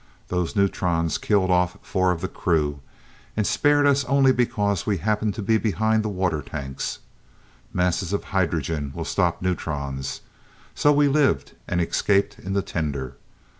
Those neutrons killed off four of the crew, and spared us only because we happened to be behind the water tanks. Masses of hydrogen will stop neutrons, so we lived, and escaped in the tender.